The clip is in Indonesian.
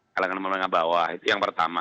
kalangan menengah bawah itu yang pertama